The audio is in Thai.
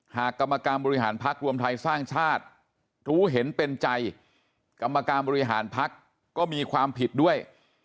กรรมการบริหารพักรวมไทยสร้างชาติรู้เห็นเป็นใจกรรมการบริหารพักก็มีความผิดด้วย